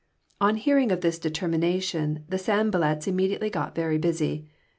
On hearing of this determination the Sanballats immediately got very busy.